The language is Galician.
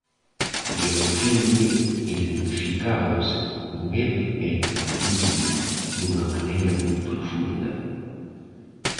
Vían o filme, identificábanse con el e entendíano dunha maneira moi profunda.